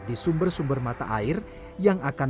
di sumber sumber mata air yang akan